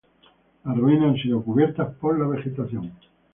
Las ruinas han sido cubiertas por la vegetación.